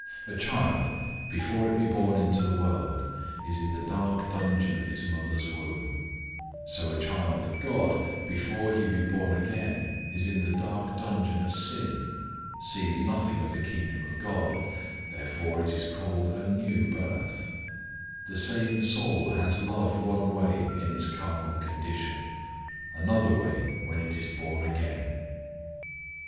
A child, before it be born into the world, is in the dark dungeon of its mother's womb; so a child of God, before he be born again, is in the dark dungeon of sin, sees nothing of the kingdom of God, therefore it is called a new birth; the same soul has love one way in its carnal condition, another way when it is born again.